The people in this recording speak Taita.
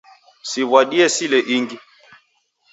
Siwadie sile ingi